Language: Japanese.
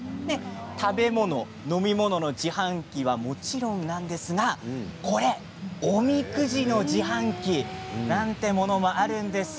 食べ物、飲み物の自販機はもちろんなんですがおみくじの自販機なんていうものもあるんです。